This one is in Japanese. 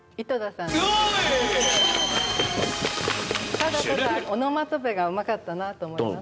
ただただオノマトペがうまかったなと思います。